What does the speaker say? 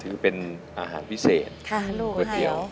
เป็นอาหารพิเศษก๋วยเตี๋ยว